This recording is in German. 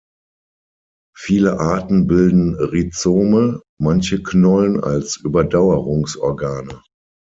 Viele Arten bilden Rhizome, manche Knollen als Überdauerungsorgane.